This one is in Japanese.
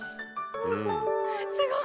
すごい。